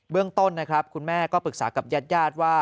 เรื่องต้นนะครับคุณแม่ก็ปรึกษากับญาติญาติว่า